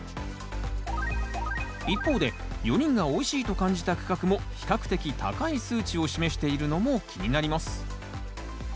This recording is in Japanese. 一方で４人がおいしいと感じた区画も比較的高い数値を示しているのも気になります